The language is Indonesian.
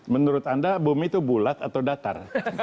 menurut anda bumi itu bulat atau datar